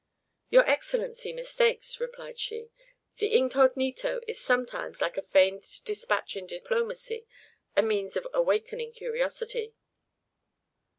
"Your Excellency mistakes," replied she; "the incognito is sometimes, like a feigned despatch in diplomacy, a means of awakening curiosity."